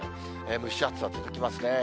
蒸し暑さ続きますね。